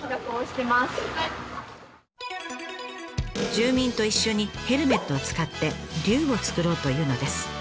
住民と一緒にヘルメットを使って竜を作ろうというのです。